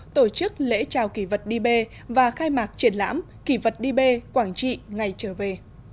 tổ chức lễ chào kỳ vật đi bê và khai mạc triển lãm kỳ vật đi bê quảng trị ngày trở về